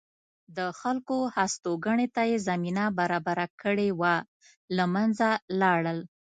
د خلکو هستوګنې ته یې زمینه برابره کړې وه له منځه لاړل